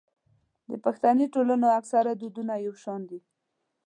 د پښتني ټولنو اکثره دودونه يو شان دي.